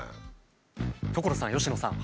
所さん佳乃さん。